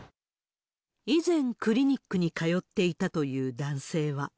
以前、クリニックに通っていたという男性は。